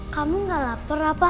kamu gak lapar apa